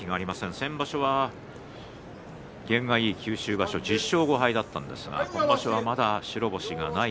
先場所は験のいい九州場所１０勝５敗だったんですが今場所はまだ白星がありません